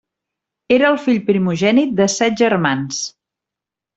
Era el fill primogènit de set germans.